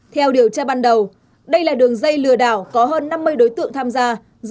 theo điều tra ban đầu đây là đường dây lừa đảo có hơn năm mươi đối tượng tham gia